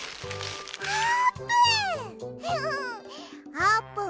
あーぷん